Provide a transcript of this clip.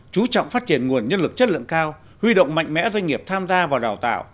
chú trọng phát triển nguồn nhân lực chất lượng cao huy động mạnh mẽ doanh nghiệp tham gia vào đào tạo